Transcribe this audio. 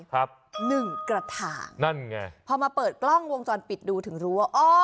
ครับหนึ่งกระถางนั่นไง